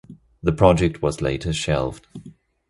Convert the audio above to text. The project was later shelved.